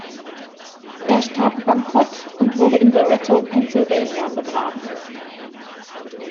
Er starb bankrott und wurde in Loretto, Pennsylvania begraben.